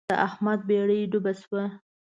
د احمد بېړۍ ډوبه شوه.